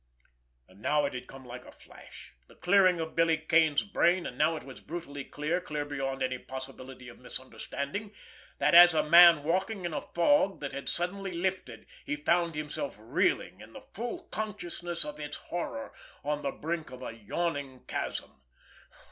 And now it had come like a flash, the clearing of Billy Kane's brain, and now it was brutally clear, clear beyond any possibility of misunderstanding; and, as a man walking in a fog that had suddenly lifted, he found himself reeling, in the full consciousness of its horror, on the brink of a yawning chasm.